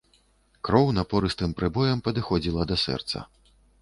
Кроў напорыстым прыбоем падыходзіла да сэрца.